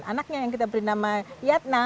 anaknya yang kita beri nama yatna